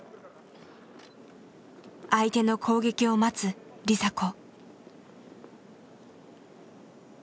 相手の攻撃を待つ梨紗子。